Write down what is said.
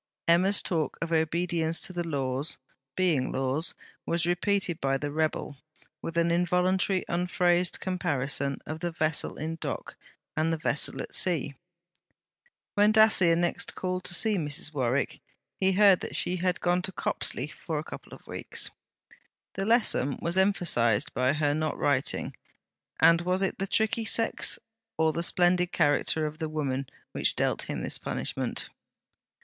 Emma's talk of obedience to the Laws, being Laws, was repeated by the rebel, with an involuntary unphrased comparison of the vessel in dock and the vessel at sea. When Dacier next called to see Mrs. Warwick, he heard that she had gone to Copsley for a couple of weeks. The lesson was emphasized by her not writing: and was it the tricky sex, or the splendid character of the woman, which dealt him this punishment?